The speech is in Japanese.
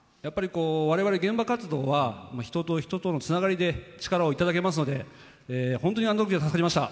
我々、現場活動は人と人とのつながりで力をいただけますので本当にあのときは助かりました。